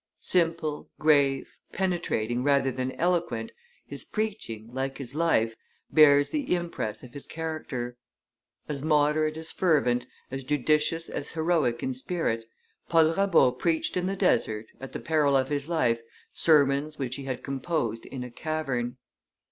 Simple, grave, penetrating rather than eloquent, his preaching, like his life, bears the impress of his character. As moderate as fervent, as judicious as heroic in spirit, Paul Rabaut preached in the desert, at the peril of his life, sermons which he had composed in a cavern.